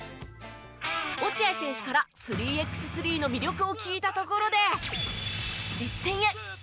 落合選手から３ｘ３の魅力を聞いたところで実戦へ！